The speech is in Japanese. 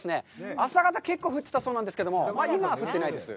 朝方、結構降ってたそうなんですけれども、今は降ってないです。